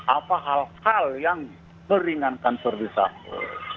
apa hal hal yang meringankan verdi sambo